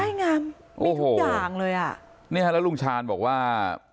ใช่งามโอ้โหทุกอย่างเลยอ่ะนี่ฮะแล้วลุงชาญบอกว่า